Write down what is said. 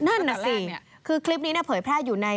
นั่นน่ะสิคือคลิปนี้เนี่ยเผยแพร่อยู่ใน